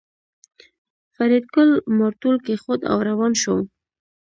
فریدګل مارتول کېښود او روان شو